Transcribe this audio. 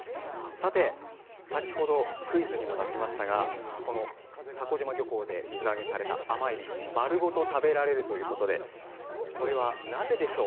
先ほど、クイズにも出しましたがこの蛸島漁港で水揚げされた甘えび、丸ごと食べられるということで、それはなぜでしょう？